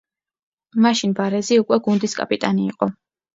მაშინ ბარეზი უკვე გუნდის კაპიტანი იყო.